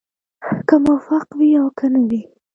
که موفق وي او که نه وي.